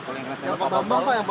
kalau yang pak bambal